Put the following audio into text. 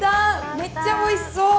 めっちゃおいしそう。